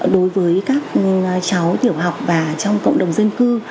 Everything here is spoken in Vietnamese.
đối với các cháu tiểu học và trong cộng đồng dân cư